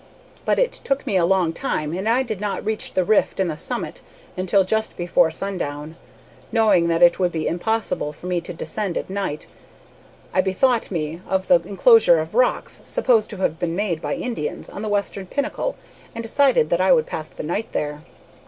"But it took me a long time, and I did not reach the rift in the summit until just before sundown. Knowing that it would be impossible for me to descend at night, I bethought me of the enclosure of rocks, supposed to have been made by Indians, on the western pinnacle, and decided that I could pass the night there.